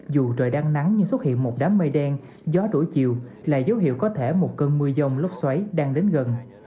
dù trời đang nắng nhưng xuất hiện một đám mây đen gió đổi chiều là dấu hiệu có thể một cơn mưa dông lốc xoáy đang đến gần